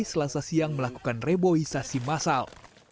selasa siang melakukan reboisasi masal